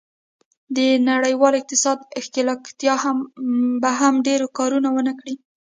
د نړیوال اقتصاد کې ښکېلتیا به هم ډېر کار و نه کړي.